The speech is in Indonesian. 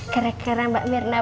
keren keren mbak mirna